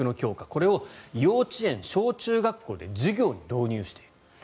これを幼稚園、小中学校で授業に導入している。